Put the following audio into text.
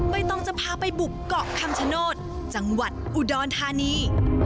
ต้องจะพาไปบุกเกาะคำชโนธจังหวัดอุดรธานี